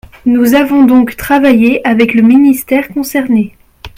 Nous avons donc travaillé avec le ministère concerné.